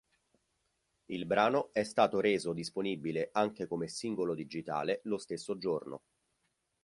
Il brano è stato reso disponibile anche come singolo digitale lo stesso giorno.